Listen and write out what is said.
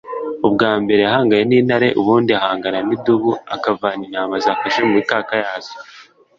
ubwa mbere yahanganye n'intare ubundi ahangana n'idubu akavana intama zafashe mu mikaka yazo.